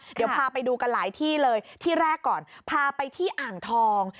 เดี๋ยวพาไปดูกันหลายที่เลยที่แรกก่อนพาไปที่อ่างทอง